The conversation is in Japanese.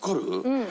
うん。